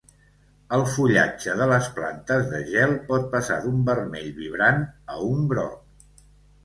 El fullatge de les plantes de gel pot passar d'un vermell vibrant a un groc.